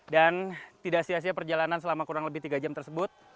tidak sia sia perjalanan selama kurang lebih tiga jam tersebut